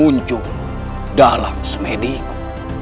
aku harus membantu dia